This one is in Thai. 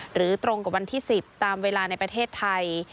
ตรงกับวันที่๑๐ตามเวลาในประเทศไทย